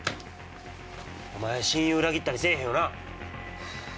お前親友裏切ったりせえへんよな？